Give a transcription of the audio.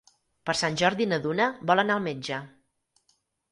Per Sant Jordi na Duna vol anar al metge.